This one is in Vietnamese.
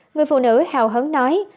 người phụ nữ hào hấn nói